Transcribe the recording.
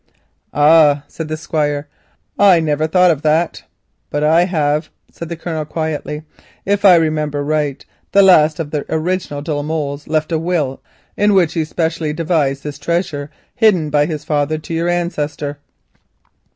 "Ah," said the Squire, "I never thought of that." "But I have," answered the Colonel quietly. "If I remember right, the last of the original de la Molles left a will in which he especially devised this treasure, hidden by his father, to your ancestor.